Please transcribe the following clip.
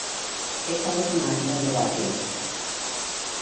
Esta última no llegó a tiempo.